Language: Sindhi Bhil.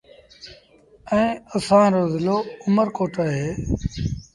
ائيٚݩ اسآݩ رو زلو اُ مر ڪوٽ اهي